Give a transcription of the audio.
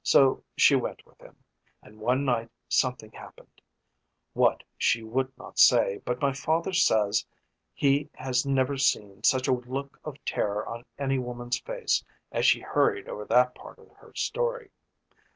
So she went with him, and one night something happened what she would not say, but my father says he has never seen such a look of terror on any woman's face as she hurried over that part of her story.